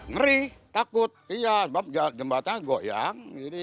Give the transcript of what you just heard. ngeri takut iya sebab jembatan goyang